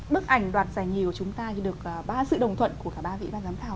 bức ảnh đoạt giải nghị của chúng ta được sự đồng thuận của cả ba vị bà giám thảo